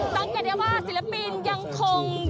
สังเกตได้ว่าศิลปินยังคง